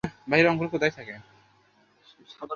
শ্যামা নিতান্ত ভালোমানুষের মতো মুখ করে বললে, না, দেখি নি তো।